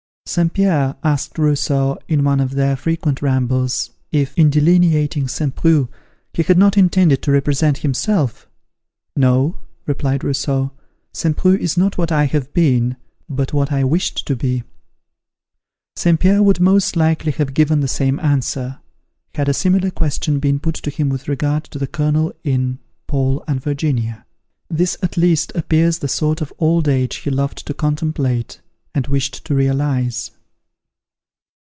St. Pierre asked Rousseau, in one of their frequent rambles, if, in delineating St. Preux, he had not intended to represent himself. "No," replied Rousseau, "St. Preux is not what I have been, but what I wished to be." St. Pierre would most likely have given the same answer, had a similar question been put to him with regard to the Colonel in "Paul and Virginia." This at least, appears the sort of old age he loved to contemplate, and wished to realize.